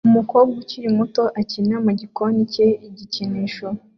Umukobwa ukiri muto akina mu gikoni cye gikinisha